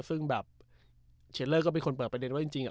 ซึ่งแบบเชียร์เลอร์ก็เป็นคนเปิดประเด็นว่า